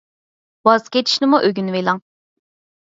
ۋاز كېچىشنىمۇ ئۆگىنىۋېلىڭ.